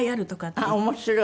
あっ面白い。